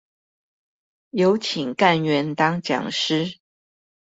有請幹員當講師